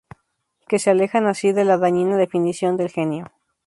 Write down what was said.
que se alejan así de la dañina definición del Genio